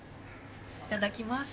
いただきます。